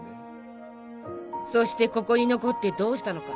そしてここに残ってどうしたのか？